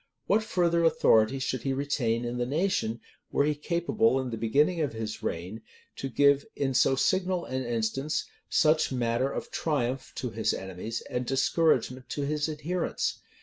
What further authority should he retain in the nation, were he capable, in the beginning of his reign, to give, in so signal an instance, such matter of triumph to his enemies, and discouragement to his adherents?